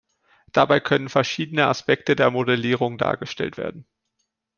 Dabei können verschiedene Aspekte der Modellierung dargestellt werden.